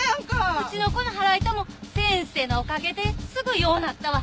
うちの子の腹痛も先生のおかげですぐ良うなったわ！